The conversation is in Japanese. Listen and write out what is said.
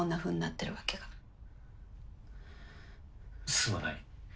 すまない。